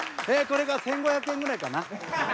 これが１，５００円ぐらいかな。